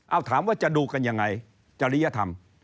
เอาถามว่าจะดูกันยังไงจริยธรรม